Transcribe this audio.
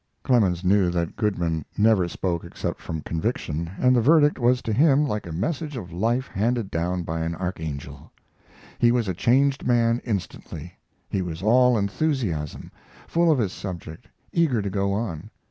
Clemens knew that Goodman never spoke except from conviction, and the verdict was to him like a message of life handed down by an archangel. He was a changed man instantly. He was all enthusiasm, full of his subject, eager to go on.